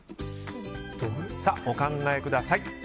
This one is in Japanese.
お考えください。